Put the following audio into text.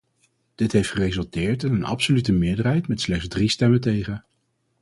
Dit heeft geresulteerd in een absolute meerderheid met slechts drie stemmen tegen.